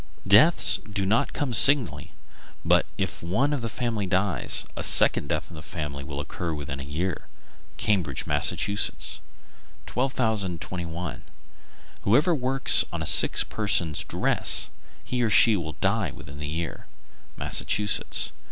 Deaths do not come singly; but if one of a family dies, a second death in the same family will occur within a year. Cambridge, Mass. 1221. Whoever works on a sick person's dress, he or she will die within the year. _Massachusetts.